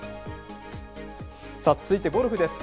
続いてゴルフです。